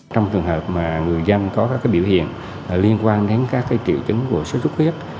trong trường hợp mà người dân có các biểu hiện liên quan đến các triệu chứng của sốt xuất huyết